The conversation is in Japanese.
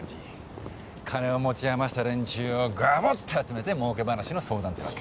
金を持ち余した連中をがぼっと集めてもうけ話の相談ってわけ。